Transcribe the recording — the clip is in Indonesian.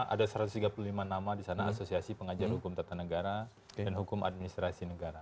satu ratus tiga puluh lima ada satu ratus tiga puluh lima nama di sana asosiasi pengajar hukum tata negara dan hukum administrasi negara